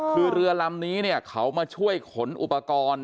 คือเรือลำนี้เนี่ยเขามาช่วยขนอุปกรณ์